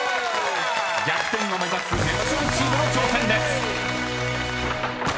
［逆転を目指すネプチューンチームの挑戦です］